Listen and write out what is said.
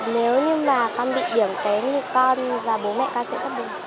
nếu như mà con bị điểm kém thì con và bố mẹ cao sẽ rất là buồn